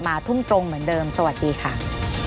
ไม่มีครับไม่มีครับ